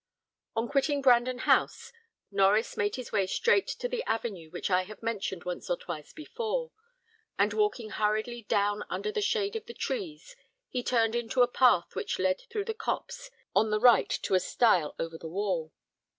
On quitting Brandon House, Norries made his way straight to the avenue which I have mentioned once or twice before; and walking hurriedly down under the shade of the trees, he turned into a path which led through the copse on the right to a stile over the wall.